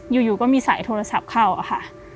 อยู่ก็มีสายโทรศัพท์เข้าอะค่ะ